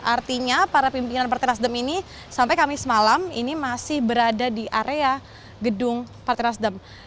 artinya para pimpinan partai nasdem ini sampai kamis malam ini masih berada di area gedung partai nasdem